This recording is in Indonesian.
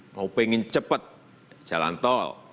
mau pengen cepat jalan tol